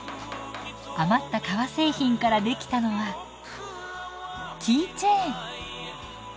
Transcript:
余った革製品から出来たのはキーチェーン。